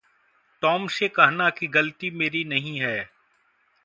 Tom से कहना कि ग़लती मेरी नहीं है।